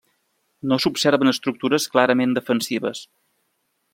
No s'observen estructures clarament defensives.